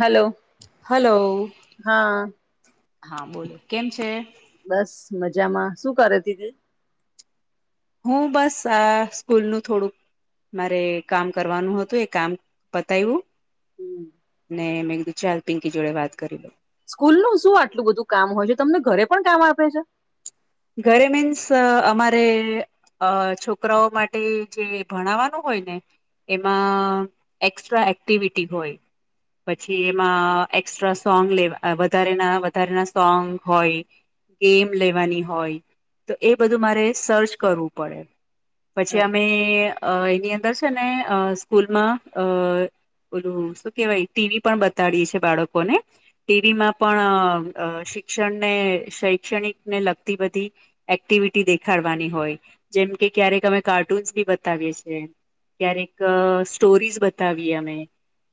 Hello hello હા બોલો કેમ છે બસ મજામાં શું કરે દીદી હું બસ આ સ્કૂલનું થોડુંક મારે કામ કરવાનું હતું એ કામ પતાવ્યું ને મેં કીધું ચાલ પિંકી જોડે વાત કરી લે સ્કૂલ નું શું આટલું બધું કામ હોય છે તમને ઘરે પણ કામ આપે છે ઘરે મીન્સ અમારે અ છોકરાઓ માટે જે ભણાવાનું હોય ને એમાં એકક્સ્ટ્રા એક્ટિવિટી હોય પછી એમાં એકસ્ટ્રા સોંગ લેવ વધારેના વધારેના સોંગ હોય ગેમ લેવાની હોય હોય તો એ બધું મારે સર્ચ કરવું પડે પછી અચ્છા અમે અ એની અંદર છે ને અ સ્કૂલમાં અ ઓલું શું કેહેવાય ટીવી પણ બતાડીએ છે બાળકોને ટીવીમાં પણ શિક્ષણ ને શૈક્ષણિકને લગ બધી એક્ટિવિટી દેખાડવાની હોય જેમ કે ક્યારેક અમે કાર્ટૂન્સ બી બતાવીએ છ છેએ ક્યારેક સ્ટોરીઝ બતાવીએ અમે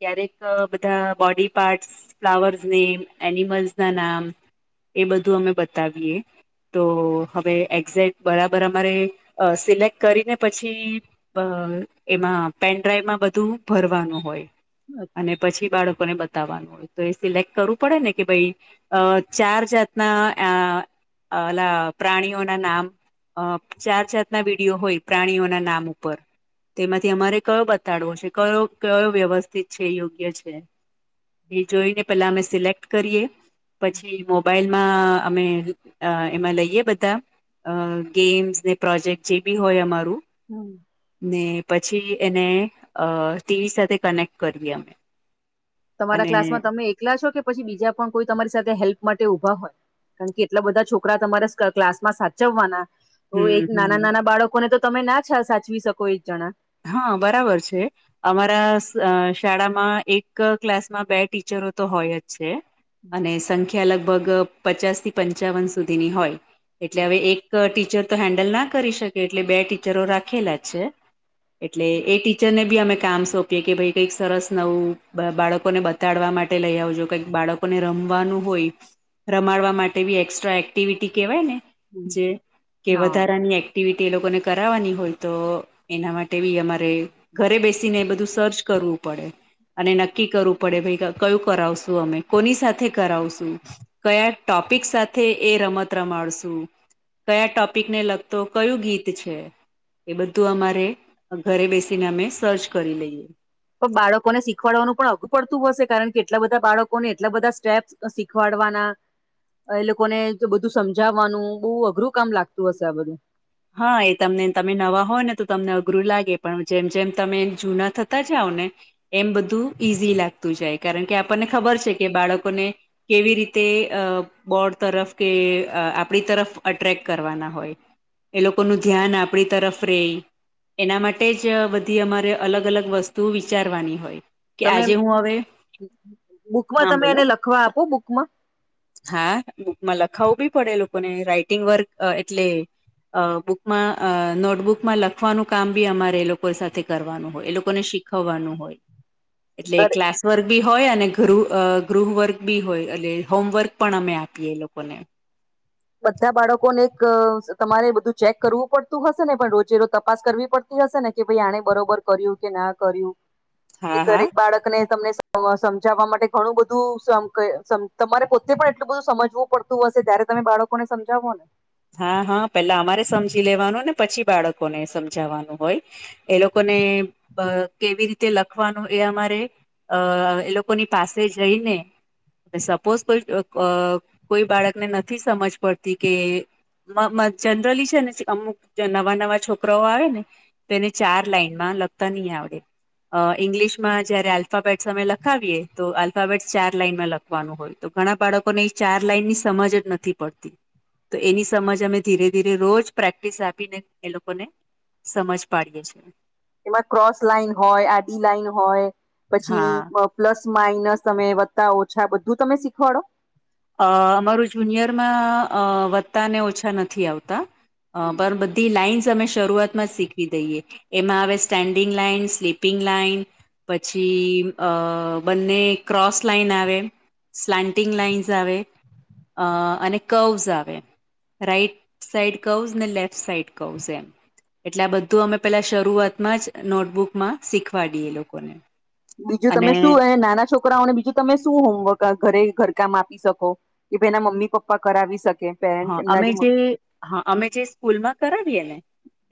ક્યારેક બધા બોડી પાર્ટસ ફ્લાવર્સ ને એનિમલ્સ ના નામ એ બધું અમે બતાવીએ તો હવે એક્ઝેક્ટ બરાબર અમારે અ સિલેક્ટ કરીને પછી અ એમાં પેનડ્રાઈવમાં બધું ભરવાનું હોય. અને અચ્છા. પછી બાળકોને બ તાવાનું હોય, તો એ સિલેક્ટ કરવું પડે ને કે ભાઈ અ ચાર જાતના આ અલા પ્રાણીઓ ના નામ અ ચાર જાતના વિડીયો હોય પ્રાણીઓના નામ ઉપર. તેમાંથી અમારે કયો બતાડવો છે, કયો કયો વ્યવસ્થિત છે, યોગ્ય છે. એ જોઈને પેલા અમે સિલેક્ટ કરીએ, પછી મોબાઈલમાં અમે અ એમાં લઈએ બધા, અ ગેમ્સ ને પ્રોજેક્ટ જેબી હોય અમારું. હમ્મ ને પછી એને અ ટીવી સાથે કનેક્ટ કરીયે અમે. તમારા અને ક્લાસમાં તમે એકલા છો? કે પછી બીજા પણ કોઈ તમારી સાથે હેલ્પ માટે ઊભા હોય? કાણકે કેટલા બધા છોકરા તમારે સ ક્લાસ માં સાચવવાના. તો એક હમ નાના હમ નાના બાળકોને તો તમે ના છ સાચવી શકો એક જણા. હા બરાબર છે. અમારા અ શાળામાં એક ક્લાસમાં બે ટીચરો તો હોયજ છે. અને સંખ્યા લગભગ પચાસ થી પંચાવન સુધીની હોય. એટલે હવે એક ટીચર તો હેન્ડલ ના કરી શકે, એટલે બે ટીચરો રાખેલા છે. એટલે એ ટીચરને બી અમે કામ સોપ કે કે ભાઈ કઈક સરસ નવું બ બાળકોને બતાડવા માટે લઈ આવજો કઈક બાળક કોને રમવાનું હોય, રમાડવા માટે બી એકસ્ટ્રા એક્ટિવિટી કેહેવાયને. જે કે હા વધારાની એક્ટિવિટી એ લોકોને કરાવવાની હોય તો એના માટ તેવી અમારે ઘરે બેસીને બધું સર્ચ કરવું પડે. અને નક્કી કરવું પડે ભાઈ ગા કયું કરાવશું અમે કોની સાથે કરાવશું. કયા ટોપિક સાથે એ રમત રમાડશું. કયા ટોપિકને લગતો કયું ગીત છે, એ બધું અમારે ઘરે બેસીને અમે સર્ચ કરી લઈએ. પ બાળકોને શીખવાડવાનું પણ અધુ પડતું હશે, કારણ કે કેટલા બધા બાળકોને એટલા બધા સ્ટેપ્સ અ શીખવાડવાના એ લોકોને જો બધું સમજાવવાનું, બહુ અઘરું કામ લાગતું હશે આ બધું. હા એ તમને તમે નવા હોય ને તો તમને અઘરું લાગે, પણ જેમ જેમ તમે જૂના થતા જઓને એમ બધું ઈઝી લાગતું જાય, કારણ કે આપણને ખબર છે કે બાળકોને કેવી રીતે અ બોર્ડ તરફ કે આપણી તરફ અટ્રેક્ટ કરવાના હોય. એ લોકોનુ ધ્યાન આપણી તરફ રે એના માટેજ બધી અમારે અલગ અલગ વસ્તુ વિચારવાની હોય. કે તમે આજે હું હવે બુકમાં હા તમે બોલો એને લખવા આપો બુકમાં? હા બુક માં લખાવું બી પડે એ લોકોને, રાઈટિંગ વર્ક અ એટલે અ બુકમાં અ નોટબુકમાં લખવાનું કામ બી અમારે એ લોકો સાથે કરવાનું હોય, એ લોકોને શીખ ખવાનું હોય, એટલે ક્લાસ વર્ક બી હોય અને ગૃ ગૃહવર્ક બી હોય એટલે હોમવર્ક પણ અમે આપીએ એ લોકોને. બધા બાળકોને એક અ તમારે બધું ચેક કરવું પડતું હશે ને? પણ રોજે રોજ તપાસ કરવી પડ હશે ને કે ભાઈ આને બરોબર કર્યું કે ના કર્યું હ [unintelligible] કે દરેક બાળકને તમને હવે સમજાવવા માટે ઘણું બધું સમ કે સમ તમારે પોતે પણ એટલું બધું સમજવું પડતું હશે જ્યારે તમે બાળક કોને સમજાવાને હા હા પેલા અમારે સમજી લેવાનું, ને પછી બાળકોને સમજાવવાનું હોય. એ લોકોને બ કેવી રીતે લખવાનું એ અમારે અ એ લોકોની પાસે જઈને સપોઝ કોઈ અક બાળકને નથી સમજ પડતી કે જનરલી છે ને અમુક નવા નવા છોકરાઓ આવે ને તેને ચાર લાઈન માં લખતા નહી આવડે અ ઈંગ્લિશમાં જયારે આલ્ફાબેટ્સ અમે લખાવીએ તો આલ્ફાબેટ ચાર લાઈનમાં લખે તો ઘણા બાળકોને ચાર લાઈન ની સમજ જ નથી પડતી તો સમજ અમે ધીરે ધીરે રોજ પ્રેક્ટિસ આપીને એ લોકોને સમજ પાડીએ છીએ એમાં ક્રોસ લાઈન હોય આડી લાાઈન હોય પછી હા પ્લસ માઇનસ તમે વતા ઓછા બધું તમે શીખવાડો અ અમારું જુનિયરમાં વધતા ને ઓછા નથી આવતા પણ બધી લાાઈનસ અમે શરૂઆતમાં જ શીખવી દઈએ એમાં હવે સ્ટેન્ડિંગ લાઈન સ્લીપિંગ લાઈન પછી અ બંને ક્રોસ લાઈન આવે સ્લાન્ટિંગ લાઈન આવે અને કવઝ આવે રાઈટ સાઈડ કહઝ ને લેફ્ટ સાઈડ કહઉ એમ એટલે આ બધું અમે પેલા શરૂઆતમાં જ નોટબુકમાં શીખવાડીઈએ લોકોને બીજું તમે અને શું નાના છોકરા છોકરાઓને બીજું તમે શું હોમવર્ક ઘરે ઘરકામ આપી શકો કે ભાઈ એના મમ્મી પપ્પા કરાવી શકે પેરેન્ટ્સ હા એમના અમે જે હા અમે જે સ્કૂલમાં કરાવીએે ને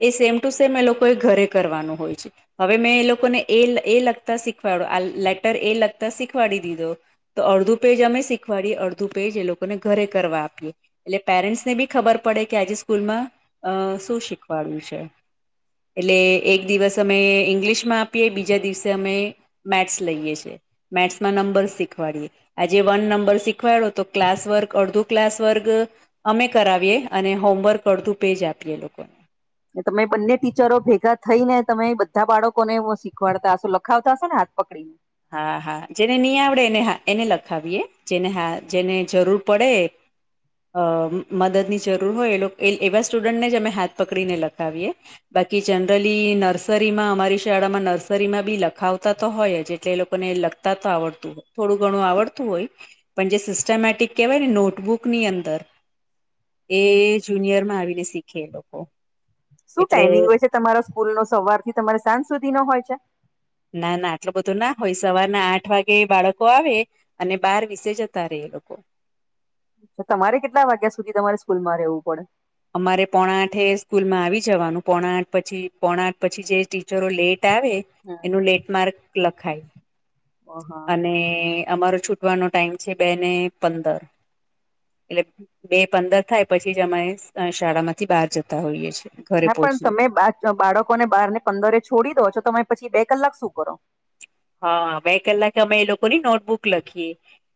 એ સેમ ટુ સેમ એ લોકો એ ઘરે કરવાનું હોય છે હવે મેં એ લોકોને એ એ લખતા શીખવાડ્યું આ લેટર એ લખતા શીખવાડી દીધો તો અડધું પેજ અમે શીખવાડીએ અડધું પેજ એ લોકોને ઘરે કરવા આપીએ એટલે પેરેન્ટ્સ ને બી ખબર પડે કે આજે સ્કૂલમાં અ શું શીખવાડ્યું છે એટલે એક દિવસ અમે ઇંગ્લિશમાં આપીએ બીજા દિવસે અમે મેથ્સ લઈએ છીએ મેથ્સમાં નંબર શીખવાડીએ આજે વન નંબર શીખવાયડો તો ક્લાસ વર્ગ અડધો ક્લાસ વર્ગ અમે કરાવીએ અને હોમવર્ક કરતું પેજ આપીએ લોકોને તમે બંને ટીચરો ભેગા થઈ ને તમે બધા બાળકોને હું શીખવાડતા હશો લખાવતા હશો હાથ પકડી ને હા હા જેને નહી આવડે એને એને લખાવીએ જેને હા જેને જરૂર પડે અ મદદની જરૂર હોય એ એવા સ્ટુડન્ટને જ અમે હાથ પકડીને લખાવીએ બાકી જનરલી નર્સરીમાં અમારી શાળામાં નર્સરીમાં બી લખાવતા તો હોય જ એટલે એ લોકોને લખતા તો આવડતું હોય થોડું ઘણું આવડતું હોય પણ જે સિસ્ટેમેટિક કહેવાય ને નોટબુકની અંદર એ જુનિયર માં આવીને શીખે એ લોકો શું એટલે ટાઈમિંગ હોય છે તમારા સ્કૂલ નો સવાર થી તમારે સાંજ સુધી નો હોય છે ના ના આટલું બધું ના હોય સવારના આઠ વાગે બાળકો આવે અને બાર વિસે જતા રે એ લોકો તમારે કેટલા વાગ્યા સુધી તમારે સ્કૂલ માં રહેવું પડે અમારે પોણા આઠે સ્કૂલમાં આવી જવાનું પોણા આઠ પછી પોણા આઠ પછી જે ટીચરો લેટ આવે હા એનું લેન્ડમાર્ક લખાય હા હા અને અમારો છૂટવાનો ટાઈમ છે બે ને પંદર એટલે બે પંદર થાય પછી જ અમે શાળા માંથી બહાર જતા હોઈએ છીએ ઘરે હા પણ પહોંચીએ તમે બાળકોને બારને પંદરે છોડી દો છો તમે પછી બે કલાક શું કરો હા બે કલાકે અમે એ લોકોની નોટબુક લખીએ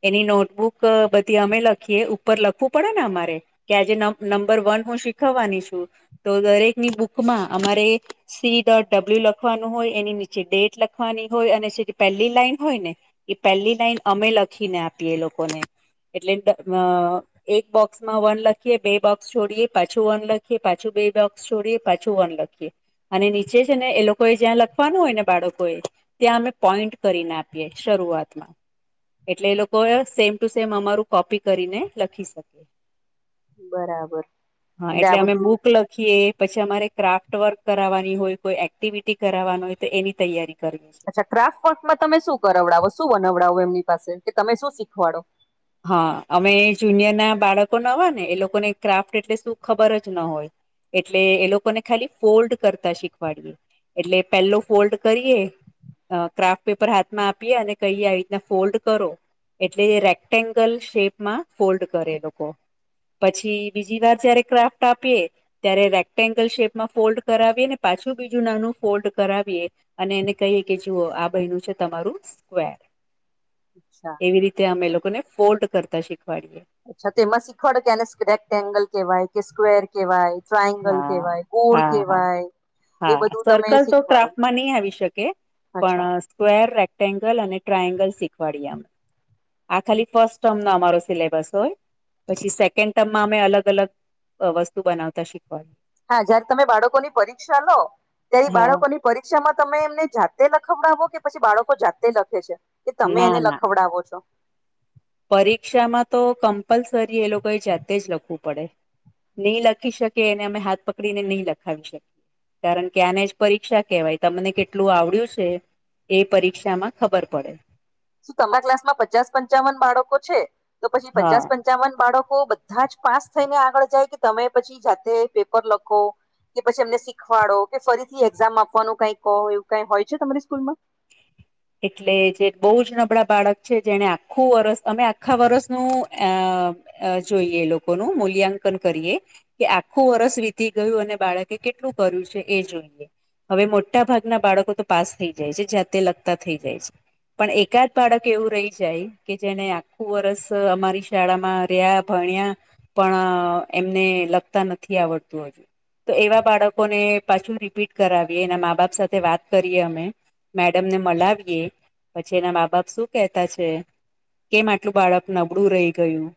એની નોટબુક બધી અમે લખીએ ઉપર લખવું પડે ને અમાર. કે આજે નંબર વન હું શીખવવાની છું તો દરેકની બુકમાં અમારે. સી ડોટ ડબલ્યુ લખવાનું હોય એની નીચે ડેટ લખવાની. હોય અને જે પહેલી લાઈન હોય ને એ પહેલી લાઈન અમે લખીને આપીએ લોકોને. એટલે. એક બોક્સ માં વન લખીએ બે બોક્સ છોડીએ પાછું વન લખીએ પાછું બે બોક્સ. છોડીએ પાછું વન લખીએ અને નીચે છે ને એ લોકોએ જ્યાં લખવાનું હોય ને બાળકો એ. ત્યાં અમે પોઈન્ટ કરીને આપીએ શરૂઆતમાં. એટલે એ લોકો સેમ ટુ સેમ અમારું કોપી કરીને લખી શકે. બરાબર હા આ એટલે અમે બધું બુક લખીએ પછી અમારે. ક્રાફ્ટ વર્ક કરાવવાની હોય કોઈ એક્ટિવિટી કરાવવાની હોય તો એની તૈયારી કરવી. અચ્છા ક્રાફ્ટર્ટમાં તમે શું કરાવડાવો શું વનાવડાવો એમની પાસે કે તમે શું શીખવાડો. હા અમે જુનિયર ના બાળકો નવા ને એ લોકોને ક્રાફ્ટ એટલે શું ખબર જ ના હોય. એટલે એ લોકોને ખાલી ફોલ્ડ કરતા શીખવાડએ. એટલે પેલો ફોલ્ડ કરીએ. ક્રાફ્ટ પેપર હાથમાં આપીએ અને કહીએ આવી રીતના ફોલ્ડ કરો એટલે. કેંગલ શેપમાં ફોલ્ડ કરે લોકો. પછી બીજી વાર જયારે ક્રાફ્ટ આપીએ. ત્યારે રેક્ટેંગલ શેપમાં ફોલ્ડ કરાવીએ ને પાછું બીજું નાનું ફોલ્ડ કરાવીએ. અને એને કહીએ કે જુઓ આ બયનું છે તમારું સ્ક્વેર. અચ્છા. એવી રીતે અમે લોકોને ફોર્ડ કરતા શીખવાડીએ. અચ્છા તો એમાં શીખવાડો કે એને રેક્ટ એંગલ કેવાય કે સ્કવેર કેવાય. હા હા હા. એ હા બધું તમે સર્કલ તો શીખવાડો ટ્રાફમાં નહી આવી શકે અચ્છા પણ. સ્ક્વેર રેક્ટેંગલ અને ટ્રાાયંગલ શીખવાડીએ અ આ ખાલી ફર્સ્ટ ટર્મ ન અમારો. સિલેબસ હોય પછી સેકન્ડ ટર્મમાં અમે અલગ અલગ વસ્તુ બનાવતા શીખવા. હા જયારે તમે બાળકોની પરીક્ષા લો ત્યારે હા બાળકોની. પરીક્ષામાં તમે એમને જાતે લખવડાવો કે પછી બાળકો જાતે લખે છે. કે તમે ના એને ના લખવડાવો છો. પરીક્ષામાં તો કમ્પલસરી એ લોકોએ જાતે જ લખવું પડે. નહી લખી શકે એને અમે હાથ પકડીને નહી લખાવી શકીએ. કારણ કે આને જ પરીક્ષા કેવાય તમને કેટલું આવડ્યું છે. એ પરીક્ષા માં ખબર પડે. શું તમારા ક્લાસમાં પચાસ પંચાવન બાળકો છે તો પછી હા પચાસ. ચન બાળકો બધા જ પાસ થઈને આગળ જાય કે તમે પછી જાતે પેપર લખો. કે પછી એમને શીખવાડો કે ફરીથી એક્ઝામ આપવાનું કઈ કહો એવું કઈ હોય છે તમારી સ્કૂલ માં. એટલે જે બહુ જ નબળા બાળક છે જેને આખું વરસ અમે આખા વરષનું આ. અ જોઈએ લોકોનું મૂલ્યાંકન કરીએ. કે આખું વરસ વીતી ગયું અને બાળકે કેટલું કર્યું છે એ જોઈએ. હવે મોટા ભાગના બાળકો તો પાસ થઈ જાય છે જ્યાતે લગતા થઈ જાય છે. પણ એકાદ બાળક એવું રહી જાય કે જેને આખું વરષ અમારી શાળામાં રહ્યા. ભણ્યા પણ એમને લગતા નથી આવડતું હજુ. તો એવા બાળકોને પાછું રીપીટ કરાવીએ એના મા બાપ સાથે વાત કરીએ અમે. મેડમ ને મળવીએ પછી એના મા બાપ શું કેહેતા છે. કેમ આટલું બાળક નબળું રહી ગયું.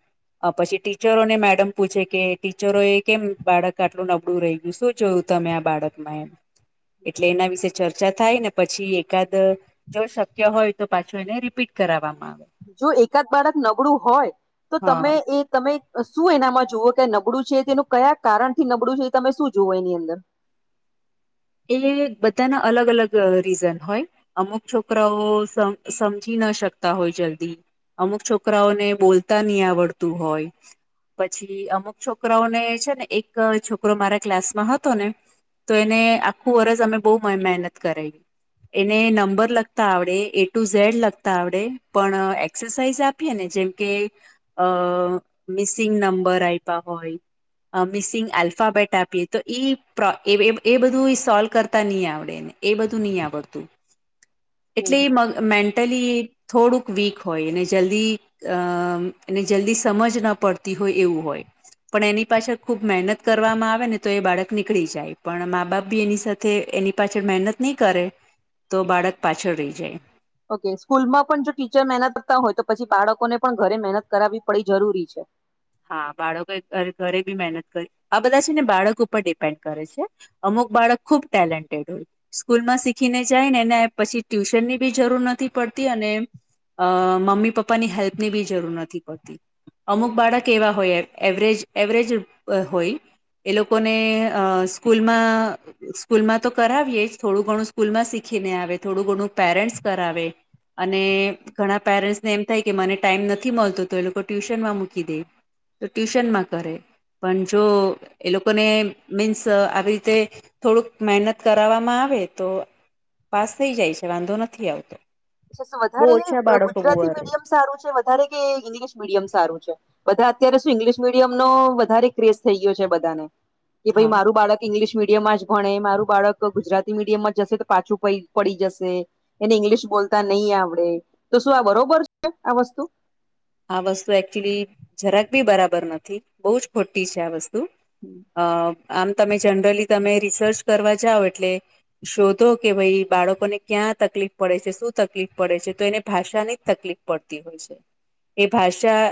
પછી ટીચરોને મેડમ પૂછે કે ટીચરો એ કેમ બાળક આટલું નબળું રહી ગયું શું. જોયું તમે આ બાળકમાં એમ એટલે એના વિશે ચર્ચા થાય ને પછી એકાદ. જો શક્ય હોય તો પાછું એને રિપીટ કરાવવામાં આવે. જો એકાદ બાળક નબળું હોય તો હા તમે એ તમે શું એનામાં જુવો કે નબળું છે તેનું કયા કારણ થી નબળું છે એ તમે શું જુવો એની અંદર. એએએ બધાના અલગ અલગ રીઝન હોય. અમુક છોકરાઓ સમજી ના શકતા હોય જલ્દી અમુક છોકરાઓને બોલતા નહી આવડતું હોય પછી અમુક છોકરાઓને છે ને એક છોકરો મારા ક્લાસ માં હતો ને. તો એને આખું વરષ અમે બહ મહેનત કરાવી. એને નંબર લગતા આવડે એ ટુ ઝેડ લગતા આવડે પણ એક્સરસાઇઝ આપ. આપએ ને જેમકે અ મિસિંગ નંબર આપ્યા હોય. મિસિંગ આલ્ફાબેટ આપીએ તો એ બધું. સોલ્વ કરતા નહી આવડેને એ બધું નહી આવડતું એટલે હમ એ મ મેન્ટલી થોડુંક વીક હોયને જલ્દી અમ એને જલ્દી સમજ ના પડતી હોય એવું હોય પણ એની પાછળ ખુબ મહેનત કરવામાં આવે ને તો એ બાળક નીકળી જાય પણ મા બાપ બી એની સાથે એની પાછળ મહેનત ની કરે તો બાળક પાછળ રહી જાય. ઓકે સ્કૂલમાં પણ જો ટીચર મહેનત કરતા હોય તો પછી બાળકોને પણ ઘરે મહેનત કરાવવી પડી જરૂરી છે. હા બાળકો ઘરે બી મહેનત કરી આ બધા છે ને બાળક ઉપર ડિપેન્ડ કરે છે. અમુક બાળક ખુબ ટેલેન્ટેડ હોય. સ્કૂલ માં શીખીને જાય ને એને પછી ટ્યુશન ની બી જરૂર નથી પડતી અને અ મમ્મી પપ્પાની હેલ્પની બી જરૂર નથી પડતી અમુક બાળક કેવા હોય એવરેજ એવરેજ હોય એ લોકોને અ સ્કૂલમાં સ્કૂલ માં તો કરાવીએ જ થોડું ઘણું સ્કૂલમાં શીખીને આવે થોડું ઘણું પેરેન્ટ્સ કરાવે અને ઘણા પેરેન્ટ્સ ને એમ થાય કે મને ટાઈમ નથી મલતો તો એ લોકો ટ્યુશન માં મૂકી દે. તો ટ્યુશનમાં કરે પન જો એ લોકોને મીન્સ આવી રીતે થોડુંક મહેનત કરાવવામાં આવે તો પાસ થઈ જાય છે વાંધો નથી આવતો. સુશ બહુ વધારે ઓછા બાળકો ગુજરાતી બુઆ રે મીડિયમ સારું છે વધારે કે ઇંગ્લિશ મીડિયમ સારું છે. બધા અત્યારે શું ઇંગ્લિશ મીડિયમ નો વધારે ક્રેઝ થઈ ગયો છે બધાને કે ભઈ હા મારું બાળક ઈંગ્લિશ મીડિયમમાં જ ભણે મારું બાળક ગુજરાતી મીડિયમમાં જશે તો પાછું પઇ પડી જશે એને ઇંગ્લિશ બોલતા નહી આવડે તો શું આ બરોબર છે આ વસ્તુ. આ વસ્તુ એકચુલી જરાક બી બરાબર નથી બહુ જ ખોટી છે આ વસ્તુ. અ આમ તમે જનરલી તમે રિસર્ચ કરવા જાઓ એટલે શોધો કે ભાઈ બાળકોને ક્યાં તકલીફ પડે છે શું તકલીફ પડે છે તો એને ભાષા ની તકલીફ પડતી હોય છે. એ ભાષા